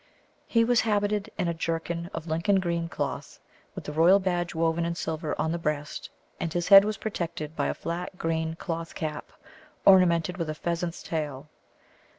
He was habited in a jerkin of Lincoln green cloth, with the royal badge woven in silver on the breast, and his head was protected by a flat green cloth cap, ornamented with a pheasant's tail.